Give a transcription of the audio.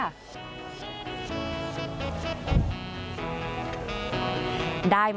คุณผู้ชมค่ะ